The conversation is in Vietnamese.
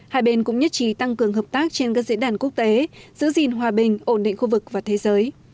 hai bên cũng nhất trí tăng cường hợp tác trên các diễn đàn quốc tế giữ gìn hòa bình ổn định khu vực và thế giới